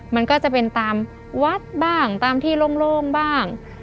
มันก็จะเป็นตามวัดบ้างตามที่โล่งบ้าง